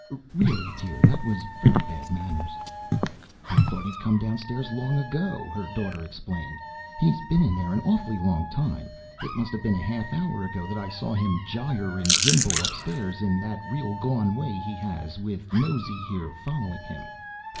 "Really, dear, that was very bad manners." "I thought he'd come downstairs long ago," her daughter explained. "He's been in there an awfully long time. It must have been a half hour ago that I saw him gyre and gimbal upstairs in that real gone way he has, with Nosy here following him."